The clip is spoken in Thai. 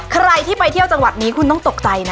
ใครที่ไปเที่ยวจังหวัดนี้คุณต้องตกใจนะ